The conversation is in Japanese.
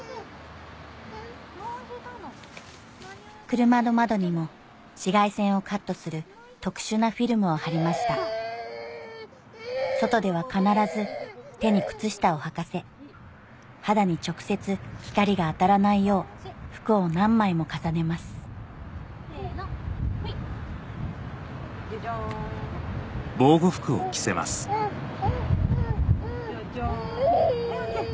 車の窓にも紫外線をカットする特殊なフィルムを貼りました外では必ず手に靴下をはかせ肌に直接光が当たらないよう服を何枚も重ねますジャジャン。